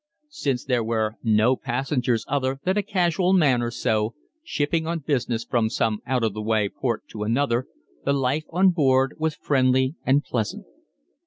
Since there were no passengers other than a casual man or so, shipping on business from some out of the way port to another, the life on board was friendly and pleasant.